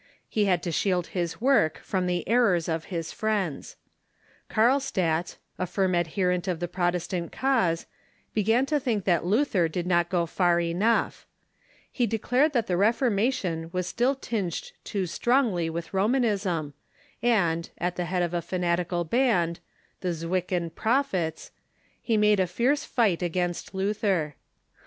He had to shield his work from the errors of his „,.. friends. Carlstadt, a firm adherent of the Protes Reformation '_ Endangered tant cause, began to think that Luther did not go by Its Friends ^^^ enough. He declared that the Reformation was still tinged too strongly with Romanism, and, at the head of a fanatical band, the Zwickau Prophets, he made a fierce fight against Luther.